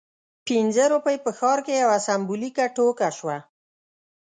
پنځه روپۍ په ښار کې یوه سمبولیکه ټوکه شوه.